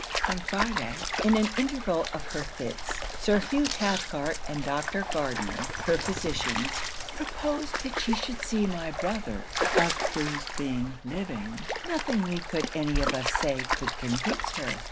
'On Friday, in an interval of her fits, Sir Hugh Cathcart and Dr. Gardner, her physicians, proposed that she should see my brother, of whose being living nothing we could any of us say could convince her.